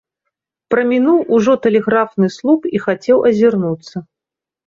Прамінуў ужо тэлеграфны слуп і хацеў азірнуцца.